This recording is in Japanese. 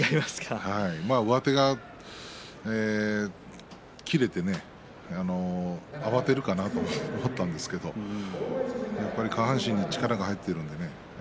上手が切れて慌てるかなと思ったんですがやはり下半身に力が入っています。